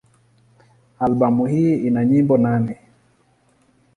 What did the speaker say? Albamu hii ina nyimbo nane.